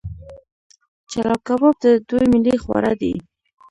چلو کباب د دوی ملي خواړه دي.